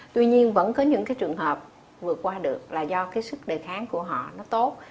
tuy nhiên vẫn có những trường hợp vượt qua được là do sức đề kháng của họ tốt